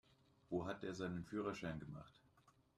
Wo hat der seinen Führerschein gemacht?